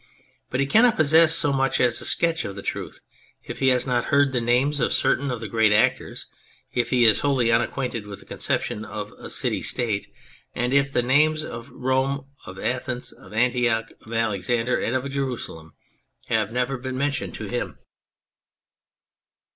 But he cannot possess so much as a sketch of the truth if he has not heard the names of certain of the great actors, if he is wholly unacquainted with the conception of a City State, and if the names of Rome, of Athens, of Antioch, of Alexander, and of Jerusalem have never been mentioned to him.